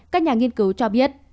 các nhà nghiên cứu cho biết